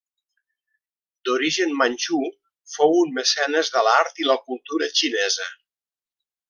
D'origen manxú, fou un mecenes de l'art i la cultura xinesa.